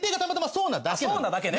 そうなだけね。